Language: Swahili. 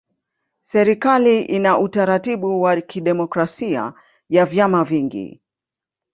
Serikali ina utaratibu wa kidemokrasia ya vyama vingi.